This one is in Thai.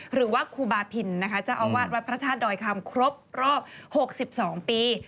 หรือว่าครูบาพินนะคะเจ้าอาวาสวัดพระธาตุดอยคำครบรอบ๖๒ปี